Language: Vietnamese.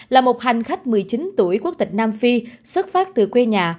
là một hành khách một mươi chín tuổi quốc tịch nam phi xuất phát từ quê nhà